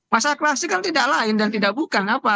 masalah klasik kan tidak lain dan tidak bukan apa